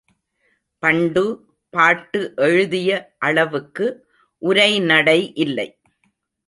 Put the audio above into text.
பண்டு, பாட்டு எழுதிய அளவுக்கு உரைநடை இல்லை.